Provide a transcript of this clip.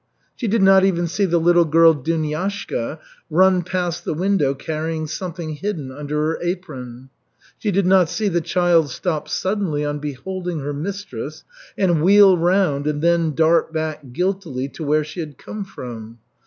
She did not even see the little girl, Duniashka, run past the window carrying something hidden under her apron; she did not see the child stop suddenly on beholding her mistress and wheel round and then dart back guiltily to where she had come from.